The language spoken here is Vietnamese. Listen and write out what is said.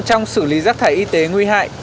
trong xử lý rác thải y tế nguy hại